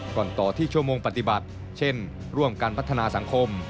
ก่อนต่อที่ชั่วโมงปฏิบัติเช่นร่วมกันพัฒนาสังคม